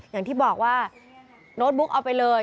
อย่างที่บอกว่าโน้ตบุ๊กเอาไปเลย